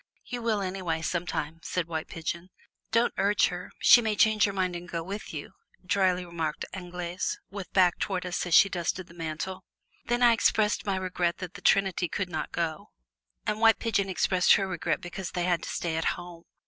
"You will anyway sometime!" said White Pigeon. "Don't urge her; she may change her mind and go with you," dryly remarked Anglaise with back towards us as she dusted the mantel. Then I expressed my regret that the trinity could not go, and White Pigeon expressed her regret because they had to stay at home.